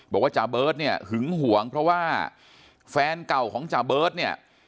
จาเบิร์ตเนี่ยหึงหวงเพราะว่าแฟนเก่าของจาเบิร์ตเนี่ย